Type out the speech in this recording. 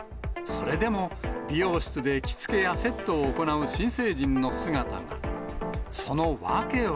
それでも、美容室で着付けやセットを行う新成人の姿が。